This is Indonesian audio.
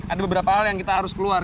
ada beberapa hal yang kita harus keluar